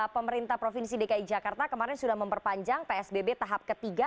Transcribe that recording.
pemerintah provinsi dki jakarta kemarin sudah memperpanjang psbb tahap ketiga